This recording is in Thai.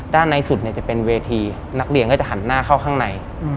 ในสุดจะเป็นเวทีนักเรียนก็จะหันหน้าเข้าข้างใน